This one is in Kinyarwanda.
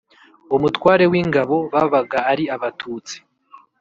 umutware w'ingabo) babaga ari abatutsi.